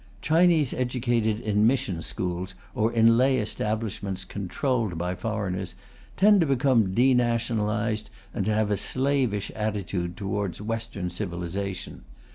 Chinese educated in mission schools, or in lay establishments controlled by foreigners, tend to become de nationalized, and to have a slavish attitude towards Western civilization.